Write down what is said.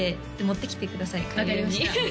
「持ってきてください」？